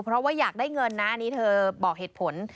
เพราะว่าอยากได้เงินนะอันนี้เธอบอกเหตุผล